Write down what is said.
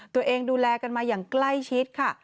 ดูแลกันมาอย่างใกล้ชิดค่ะ